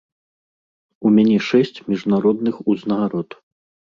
У мяне шэсць міжнародных узнагарод.